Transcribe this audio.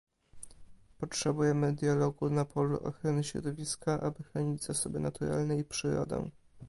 Potrzebujemy dialogu na polu ochrony środowiska, aby chronić zasoby naturalne i przyrodę